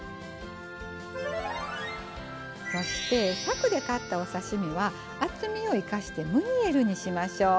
そして、さくで買ったお刺身は厚みを生かしてムニエルにしましょう。